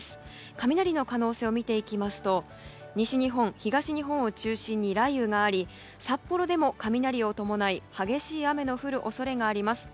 雷の可能性を見ていきますと西日本、東日本を中心に雷雨があり、札幌でも雷を伴い激しい雨の降る恐れがあります。